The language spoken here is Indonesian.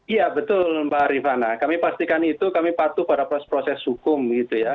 iya betul mbak rifana kami pastikan itu kami patuh pada proses proses hukum gitu ya